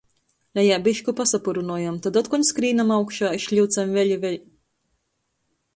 Lejā bišku pasapurynojam, tod otkon skrīnam augšā i šliucam vēļ i vēļ.